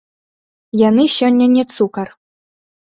Яны сёння не цукар.